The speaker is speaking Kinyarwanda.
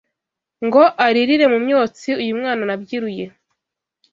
Ngo alilire mu myotsi Uyu mwana nabyiruye